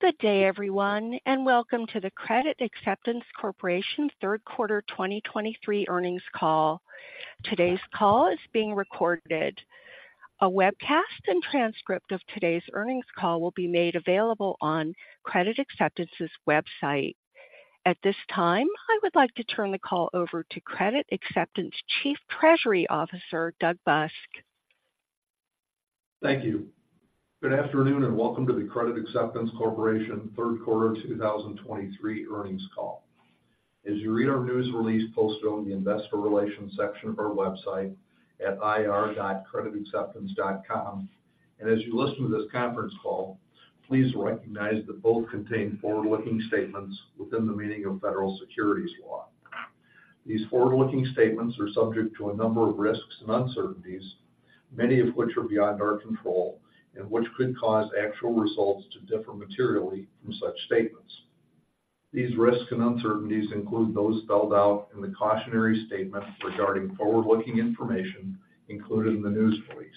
Good day, everyone, and welcome to the Credit Acceptance Corporation third quarter 2023 earnings call. Today's call is being recorded. A webcast and transcript of today's earnings call will be made available on Credit Acceptance's website. At this time, I would like to turn the call over to Credit Acceptance Chief Treasury Officer, Doug Busk. Thank you. Good afternoon, and welcome to the Credit Acceptance Corporation third quarter 2023 earnings call. As you read our news release posted on the investor relations section of our website at ir.creditacceptance.com, and as you listen to this conference call, please recognize that both contain forward-looking statements within the meaning of federal securities law. These forward-looking statements are subject to a number of risks and uncertainties, many of which are beyond our control, and which could cause actual results to differ materially from such statements. These risks and uncertainties include those spelled out in the cautionary statement regarding forward-looking information included in the news release.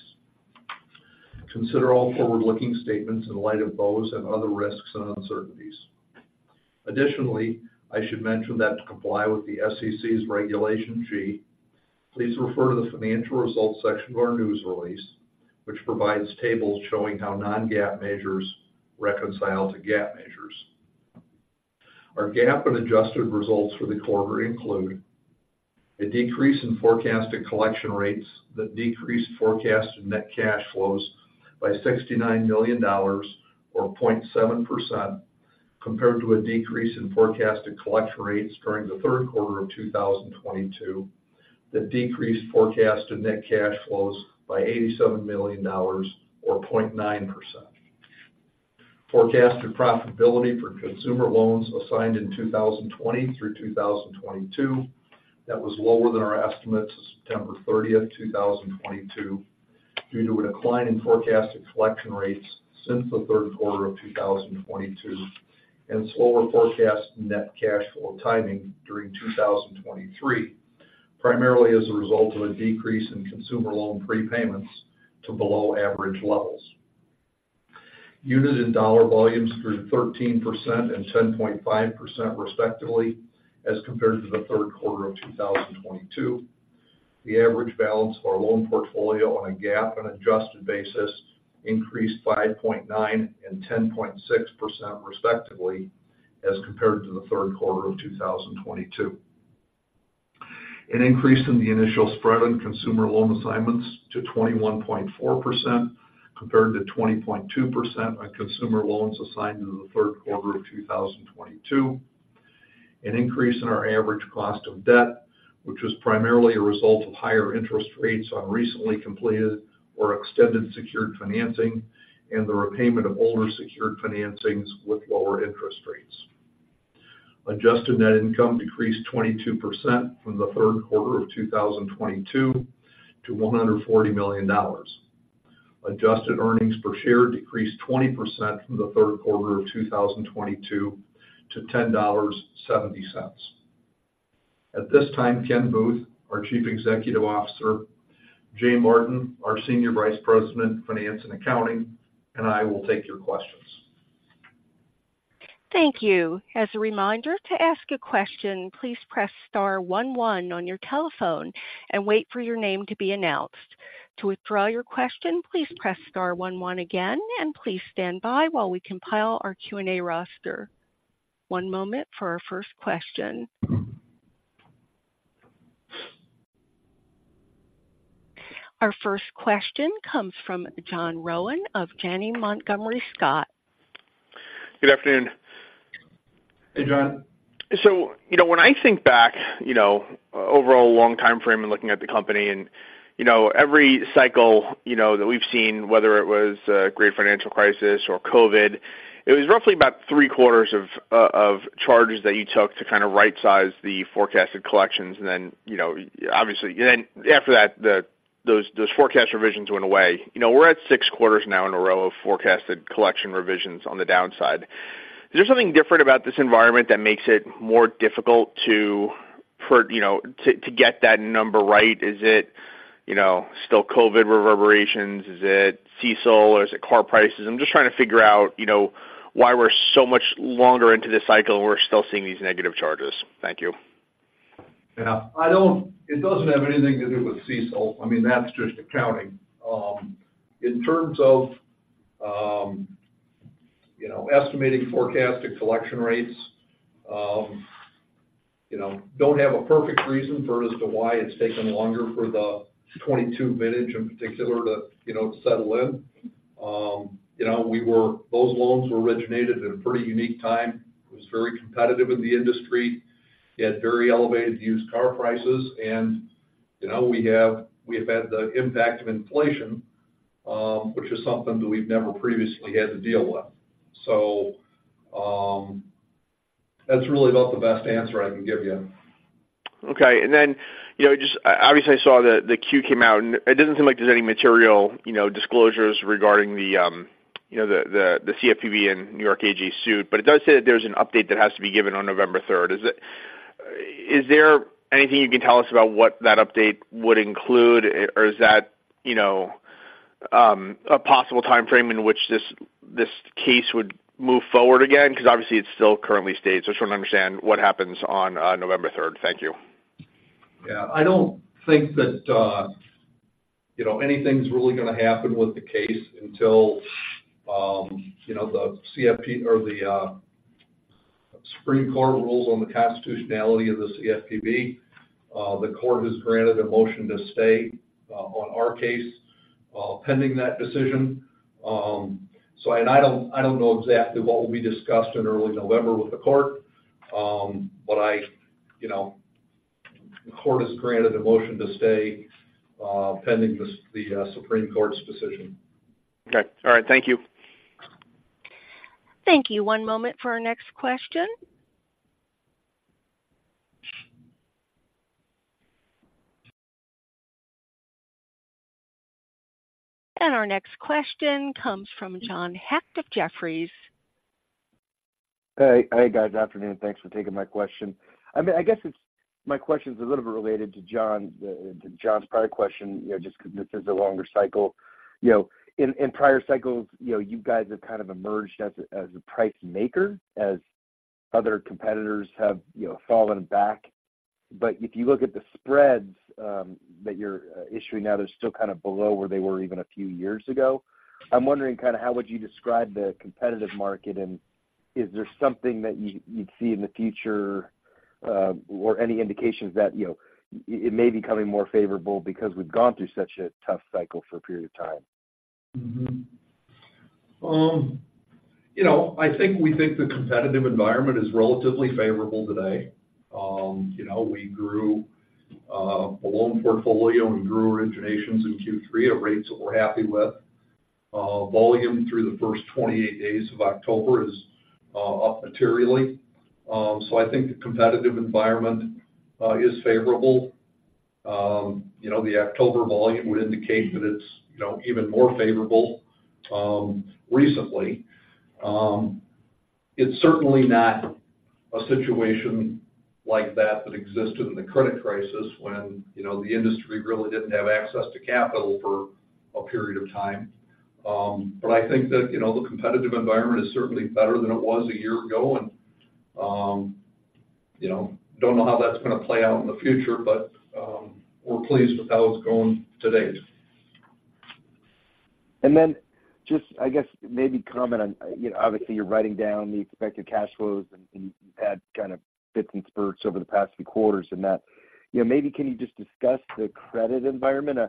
Consider all forward-looking statements in light of those and other risks and uncertainties. Additionally, I should mention that to comply with the SEC's Regulation G, please refer to the financial results section of our news release, which provides tables showing how non-GAAP measures reconcile to GAAP measures. Our GAAP and adjusted results for the quarter include: a decrease in forecasted collection rates that decreased forecasted net cash flows by $69 million, or 0.7%, compared to a decrease in forecasted collect rates during the third quarter of 2022, that decreased forecasted net cash flows by $87 million, or 0.9%. Forecasted profitability for consumer loans assigned in 2020 through 2022, that was lower than our estimates as of September 30, 2022, due to a decline in forecasted collection rates since the third quarter of 2022, and slower forecast net cash flow timing during 2023, primarily as a result of a decrease in consumer loan prepayments to below average levels. Unit and dollar volumes grew 13% and 10.5%, respectively, as compared to the third quarter of 2022. The average balance of our loan portfolio on a GAAP and adjusted basis increased by 0.9% and 10.6%, respectively, as compared to the third quarter of 2022. An increase in the initial spread on consumer loan assignments to 21.4%, compared to 20.2% on consumer loans assigned in the third quarter of 2022. An increase in our average cost of debt, which was primarily a result of higher interest rates on recently completed or extended secured financing and the repayment of older secured financings with lower interest rates. Adjusted net income decreased 22% from the third quarter of 2022 to $140 million. Adjusted earnings per share decreased 20% from the third quarter of 2022 to $10.70. At this time, Ken Booth, our Chief Executive Officer, Jay Martin, our Senior Vice President of Finance and Accounting, and I will take your questions. Thank you. As a reminder, to ask a question, please press star one, one on your telephone and wait for your name to be announced. To withdraw your question, please press star one, one again, and please stand by while we compile our Q&A roster. One moment for our first question. Our first question comes from John Rowan of Janney Montgomery Scott. Good afternoon. Hey, John. So, you know, when I think back, you know, overall a long time frame and looking at the company and, you know, every cycle, you know, that we've seen, whether it was the Great Financial Crisis or COVID, it was roughly about three quarters of charges that you took to kind of rightsize the forecasted collections. And then, you know, obviously, and then after that, those forecast revisions went away. You know, we're at six quarters now in a row of forecasted collection revisions on the downside. Is there something different about this environment that makes it more difficult to, you know, get that number right? Is it, you know, still COVID reverberations? Is it CECL, or is it car prices? I'm just trying to figure out, you know, why we're so much longer into this cycle, and we're still seeing these negative charges. Thank you. Yeah, it doesn't have anything to do with CECL. I mean, that's just accounting. In terms of, you know, estimating forecasted collection rates, you know, don't have a perfect reason for it as to why it's taken longer for the 2022 vintage, in particular, to, you know, settle in. You know, those loans were originated in a pretty unique time. It was very competitive in the industry. You had very elevated used car prices and, you know, we have, we have had the impact of inflation, which is something that we've never previously had to deal with. So, that's really about the best answer I can give you. Okay. And then, you know, just obviously, I saw that the Q came out, and it doesn't seem like there's any material, you know, disclosures regarding the CFPB and New York AG suit, but it does say that there's an update that has to be given on November third. Is there anything you can tell us about what that update would include? Or is that, you know, a possible time frame in which this case would move forward again? Because obviously, it's still currently stayed. So I just want to understand what happens on November third. Thank you. Yeah. I don't think that, you know, anything's really going to happen with the case until, you know, the CFP or the Supreme Court rules on the constitutionality of the CFPB. The court has granted a motion to stay on our case pending that decision. So and I don't, I don't know exactly what will be discussed in early November with the court. But I, you know, the court has granted a motion to stay pending the Supreme Court's decision. Okay. All right. Thank you. Thank you. One moment for our next question. Our next question comes from John Hecht of Jefferies. Hey, hey, guys. Afternoon. Thanks for taking my question. I mean, I guess it's my question is a little bit related to John's prior question, you know, just because this is a longer cycle. You know, in prior cycles, you know, you guys have kind of emerged as a price maker, as other competitors have, you know, fallen back. But if you look at the spreads that you're issuing now, they're still kind of below where they were even a few years ago. I'm wondering kind of how would you describe the competitive market, and is there something that you'd see in the future or any indications that, you know, it may be becoming more favorable because we've gone through such a tough cycle for a period of time? Mm-hmm. You know, I think we think the competitive environment is relatively favorable today. You know, we grew the loan portfolio and we grew originations in Q3 at rates that we're happy with. Volume through the first 28 days of October is up materially. So I think the competitive environment is favorable. You know, the October volume would indicate that it's, you know, even more favorable recently. It's certainly not a situation like that that existed in the credit crisis when, you know, the industry really didn't have access to capital for a period of time. But I think that, you know, the competitive environment is certainly better than it was a year ago, and, you know, don't know how that's going to play out in the future, but we're pleased with how it's going to date. And then just, I guess, maybe comment on, you know, obviously, you're writing down the expected cash flows, and you've had kind of fits and spurts over the past few quarters in that. You know, maybe can you just discuss the credit environment?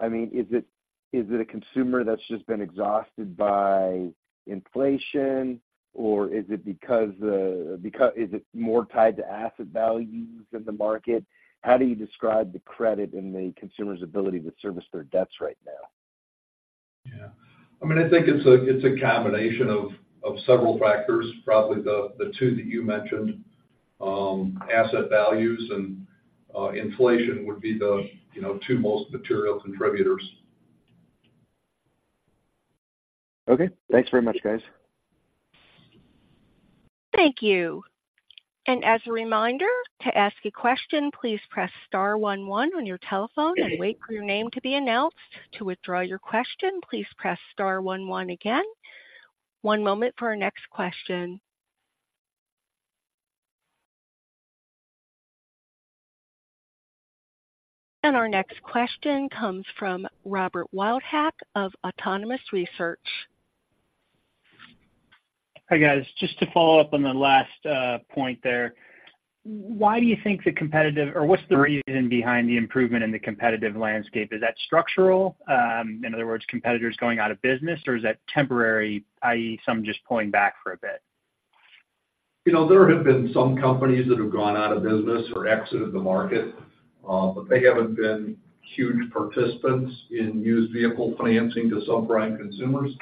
I mean, is it, is it a consumer that's just been exhausted by inflation? Or is it more tied to asset values in the market? How do you describe the credit and the consumer's ability to service their debts right now? Yeah. I mean, I think it's a combination of several factors, probably the two that you mentioned, asset values and inflation would be the, you know, two most material contributors. Okay. Thanks very much, guys. Thank you. As a reminder, to ask a question, please press star one one on your telephone and wait for your name to be announced. To withdraw your question, please press star one one again. One moment for our next question. Our next question comes from Robert Wildhack of Autonomous Research. Hi, guys. Just to follow up on the last point there. Why do you think the competitive... or what's the reason behind the improvement in the competitive landscape? Is that structural? In other words, competitors going out of business, or is that temporary, i.e., some just pulling back for a bit? You know, there have been some companies that have gone out of business or exited the market, but they haven't been huge participants in used vehicle financing to subprime consumers.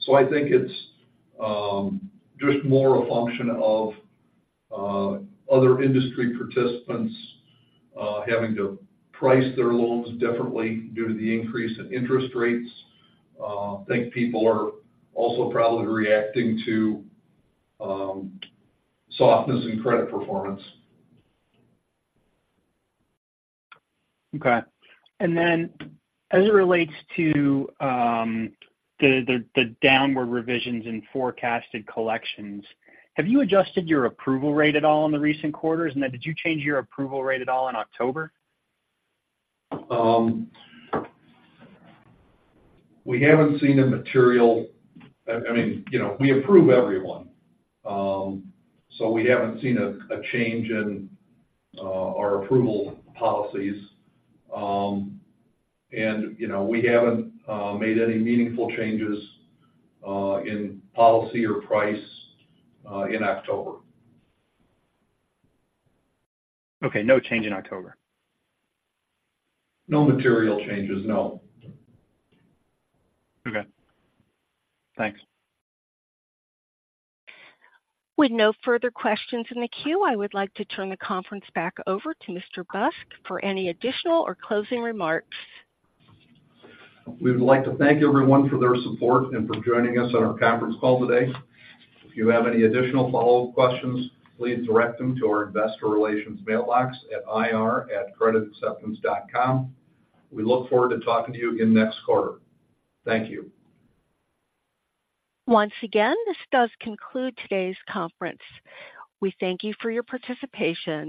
So I think it's just more a function of other industry participants having to price their loans differently due to the increase in interest rates. I think people are also probably reacting to softness in credit performance. Okay. And then as it relates to the downward revisions in forecasted collections, have you adjusted your approval rate at all in the recent quarters? And then did you change your approval rate at all in October? We haven't seen a material... I mean, you know, we approve everyone. So we haven't seen a change in our approval policies. And, you know, we haven't made any meaningful changes in policy or price in October. Okay. No change in October? No material changes, no. Okay. Thanks. With no further questions in the queue, I would like to turn the conference back over to Mr. Busk for any additional or closing remarks. We would like to thank everyone for their support and for joining us on our conference call today. If you have any additional follow-up questions, please direct them to our investor relations mailbox at ir@creditacceptance.com. We look forward to talking to you again next quarter. Thank you. Once again, this does conclude today's conference. We thank you for your participation.